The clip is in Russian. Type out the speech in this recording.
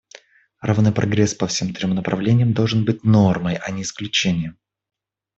Равный прогресс по всем трем направлениям должен быть нормой, а не исключением.